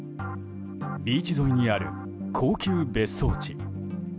ビーチ沿いにある高級別荘地。